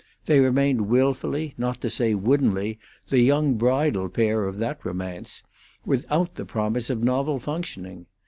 They remained wilfully, not to say woodenly, the young bridal pair of that romance, without the promise of novel functioning.